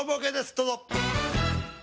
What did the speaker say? どうぞ。